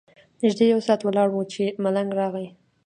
نږدې یو ساعت ولاړ وو چې ملنګ راغی.